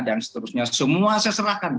dan seterusnya semua seserahkan